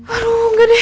aduh nggak deh